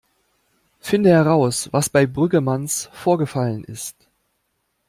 Finde heraus, was bei Brüggemanns vorgefallen ist.